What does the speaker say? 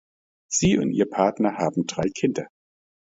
Sie und ihr Partner haben drei Kinder.